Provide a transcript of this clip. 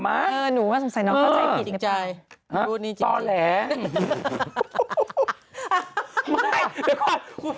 ตกใจกับแม่เซนเสอไม่ทันนะครับ